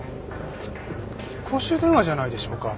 公衆電話じゃないでしょうか。